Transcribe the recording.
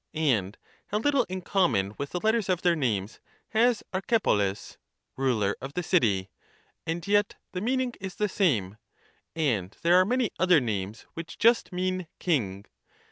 And how little in common with the letters of their names has Archepolis (ruler of the city) — and yet the meaning is the same. And there are many other names which just mean ' king.'